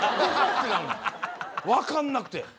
分かんなくて。